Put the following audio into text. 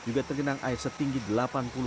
juga tergenang air setinggi delapan puluh